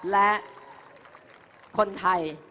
และคนไทย